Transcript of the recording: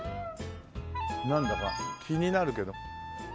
なんだか気になるけど。